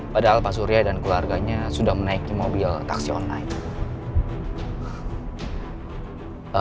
padahal pak surya dan keluarganya sudah menaiki mobil taksi online